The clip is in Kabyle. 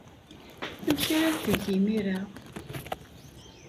Amek ara teg imir-a?